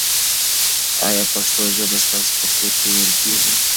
آیا پښتو ژبه ستاسو په کور کې ویل کېږي؟